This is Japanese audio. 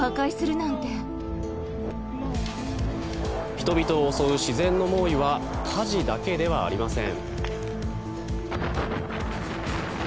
人々を襲う自然の猛威は火事だけではありません。